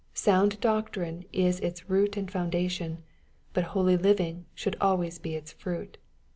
Sound doctrine is its root and foundation, but holy living should always be its fruit.